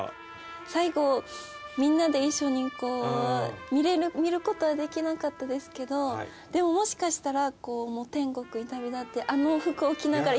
最後みんなで一緒にこう見ることはできなかったですけどでももしかしたらもう天国に旅立ってあの。